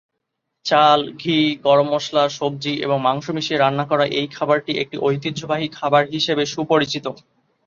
চাল, ঘি, গরম মশলা, সবজি এবং মাংস মিশিয়ে রান্না করা এই খাবারটি একটি ঐতিহ্যবাহী খাবার হিসাবে সুপরিচিত।